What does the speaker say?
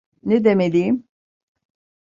Ne demeliyim?